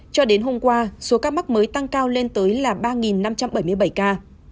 cho đến hôm qua số ca mắc mới tăng cao lên tới là ba năm trăm bảy mươi bảy ca